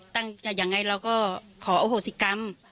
แต่อย่างไรเราก็ขอโอโหสิกรรม